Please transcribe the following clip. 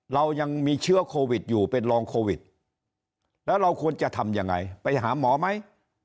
เรายังมีเชื้อโควิดอยู่เป็นรองโควิดแล้วเราควรจะทำยังไงไปหาหมอไหม